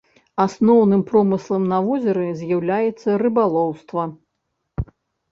Асноўным промыслам на возеры з'яўляецца рыбалоўства.